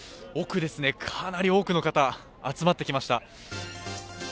奥ですね、かなり多くの方集まってきました。